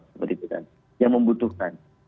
seperti itu kan yang membutuhkan